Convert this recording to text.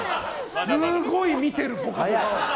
すごい見てる、「ぽかぽか」を。